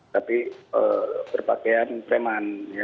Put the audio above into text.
tapi berpakaian preman